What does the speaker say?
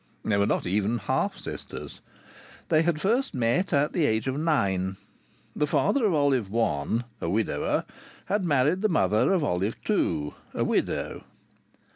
They were not even half sisters. They had first met at the age of nine. The father of Olive One, a widower, had married the mother of Olive Two, a widow.